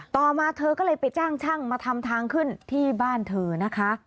ต่อมาเธอก็เลยไปจ้างช่างมาทำทางขึ้นที่บ้านเธอนะคะ